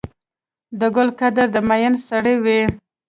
د ګل قدر د ميئن سره وي.